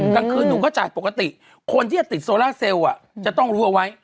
กลางคืนหนูก็จ่ายปกติคนที่จะติดโซล่าเซลล์จะต้องรู้เอาไว้